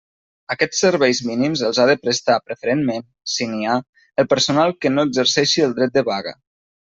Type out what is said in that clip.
Aquests serveis mínims els ha de prestar, preferentment, si n'hi ha, el personal que no exerceixi el dret de vaga.